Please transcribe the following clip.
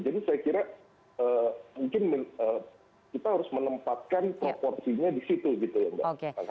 jadi saya kira mungkin kita harus menempatkan proporsinya di situ gitu ya mbak